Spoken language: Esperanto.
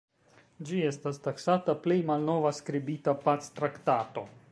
Ĝi estas taksata plej malnova skribita pactraktato.